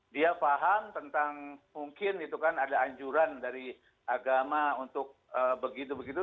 dia paham tentang mungkin itu kan ada anjuran dari agama untuk begitu begitu